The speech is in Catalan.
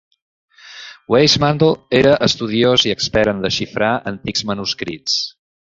Weissmandl era estudiós i expert en desxifrar antics manuscrits.